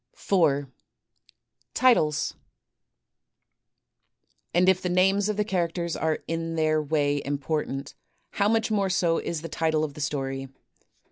4, Titles And if the names of the characters are in their way im portant, how much more so is the title of the story.